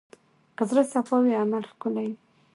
که زړه صفا وي، عمل ښکلی وي.